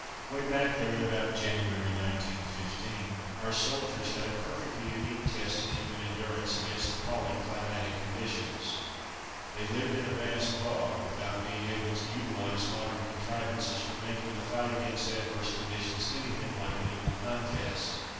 Way back there, in about January, 1915, our soldiers had a perfectly unique test of human endurance against appalling climatic conditions. They lived in a vast bog, without being able to utilize modern contrivances for making the tight against adverse conditions anything like an equal contest.